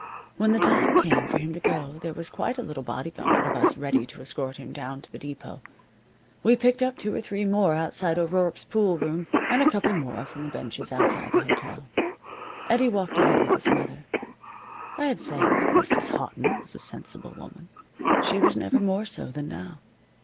When the time came for him to go there was quite a little bodyguard of us ready to escort him down to the depot. We picked up two or three more outside O'Rourke's pool room, and a couple more from the benches outside the hotel. Eddie walked ahead with his mother. I have said that Mrs. Houghton was a sensible woman. She was never more so than now.